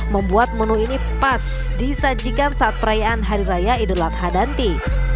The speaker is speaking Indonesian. membuat menu ini pas disajikan saat perayaan hari raya idul adha danti